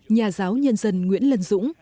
nhà giáo nhân dân nguyễn lân dũng